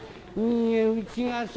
「うちがさ」。